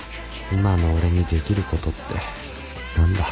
今の俺にできることって何だ？